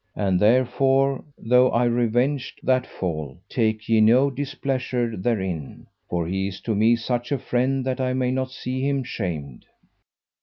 And therefore, though I revenged that fall, take ye no displeasure therein, for he is to me such a friend that I may not see him shamed.